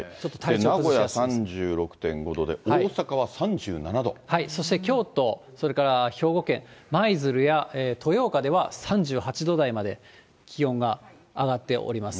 名古屋３６．５度で、そして京都、兵庫県、舞鶴や豊岡では３８度台まで気温が上がっております。